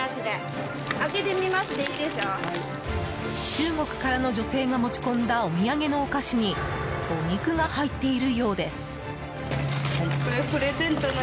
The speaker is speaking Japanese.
中国からの女性が持ち込んだお土産のお菓子にお肉が入っているようです。